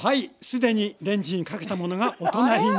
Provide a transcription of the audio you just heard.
すでにレンジにかけたものがお隣にあります。